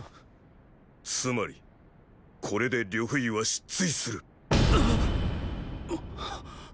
つまりこれで呂不韋は“失墜”する。